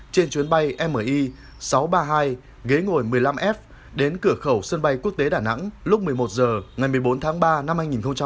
trên chuyến bay mi sáu trăm ba mươi hai ghế ngồi một mươi năm f đến cửa khẩu sân bay quốc tế đà nẵng lúc một mươi một h ngày một mươi bốn tháng ba năm hai nghìn hai mươi